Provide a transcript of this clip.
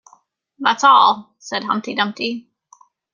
‘That’s all,’ said Humpty Dumpty.